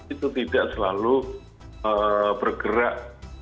itu tidak selalu bergerak